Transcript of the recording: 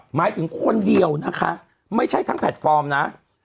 หมายถึงคนเดียวนะคะไม่ใช่ทั้งแพลตฟอร์มนะ